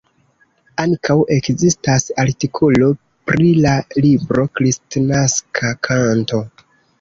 Ankaŭ ekzistas artikolo pri la libro Kristnaska Kanto".